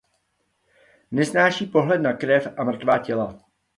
Nesnáší pohled na krev a mrtvá těla.